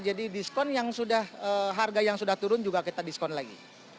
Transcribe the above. jadi diskon yang sudah harga yang sudah turun juga kita diskon lagi